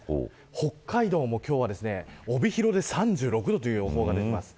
北海道も今日は帯広で３６度という予報が出ています。